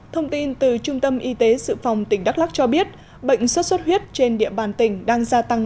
thông tin từ trung tâm y tế sự phòng tỉnh đắk lắc cho biết bệnh xuất xuất huyết trên địa bàn tỉnh đang gia tăng